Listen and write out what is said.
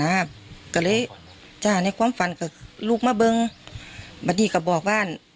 ก็เลยจ้าในความฝันก็ลูกมาเบิ้งมาดีก็บอกบ้าน